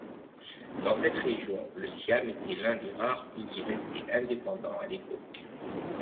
Dans cette région, le Siam était l'un des rares pays resté indépendants à l'époque.